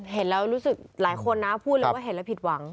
เห็นแล้วรู้สึกหลายคนนะพูดเลยว่าเห็นแล้วผิดหวัง